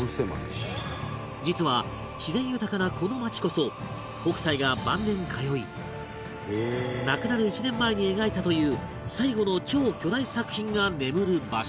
実は自然豊かなこの町こそ北斎が晩年通い亡くなる１年前に描いたという最期の超巨大作品が眠る場所